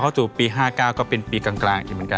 พอเข้าสู่ปี๕๙ก็เป็นปีกลางเหมือนกัน